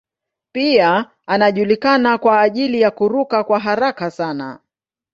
Pia anajulikana kwa ajili ya kuruka kwa haraka sana.